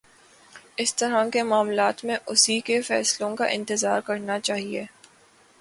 اِس طرح کے معاملات میں اُسی کے فیصلوں کا انتظار کرنا چاہیے